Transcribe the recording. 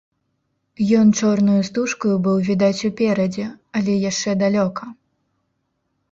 Ён чорнаю стужкаю быў відаць уперадзе, але яшчэ далёка.